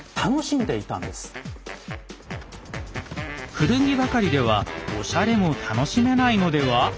古着ばかりではおしゃれも楽しめないのでは？